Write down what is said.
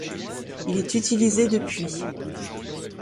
Il est utilisé depuis.